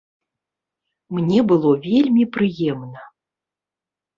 Мне было вельмі прыемна.